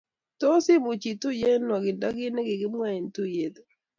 tos imuch ituye eng nuokindo kiit nekikimwa eng tuiye?